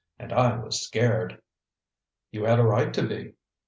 And I was scared!" "You had a right to be."